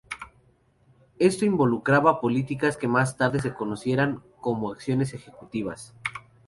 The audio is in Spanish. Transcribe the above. Esto involucraba políticas que más tarde se conocerían como Acciones Ejecutivas.